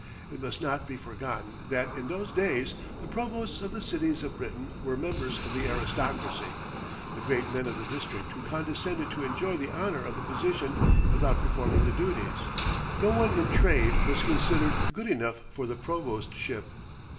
It must not be forgotten that, in those days, the provosts of the cities of Britain were members of the aristocracy the great men of the district who condescended to enjoy the honor of the position without performing the duties. No one in trade was considered good enough for the provostship.